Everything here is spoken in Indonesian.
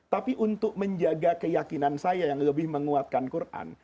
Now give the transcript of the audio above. tapi untuk menjaga keyakinan saya yang lebih menguatkan quran